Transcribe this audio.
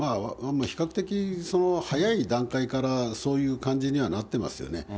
比較的、早い段階から、そういう感じにはなってますよね。